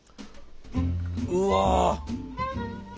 うわ。